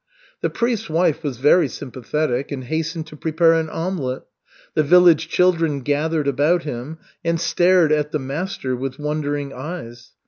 The priest's wife was very sympathetic and hastened to prepare an omelette. The village children gathered about him and stared at the master with wondering eyes.